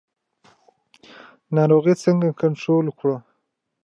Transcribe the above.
ناروغي څنګه کنټرول کړو؟